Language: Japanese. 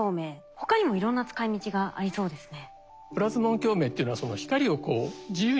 他にもいろんな使い道がありそうですね。